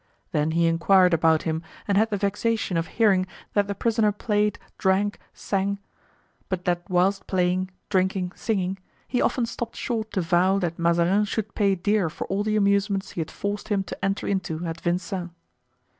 Then he inquired about him and had the vexation of hearing that the prisoner played, drank, sang, but that whilst playing, drinking, singing, he often stopped short to vow that Mazarin should pay dear for all the amusements he had forced him to enter into at Vincennes.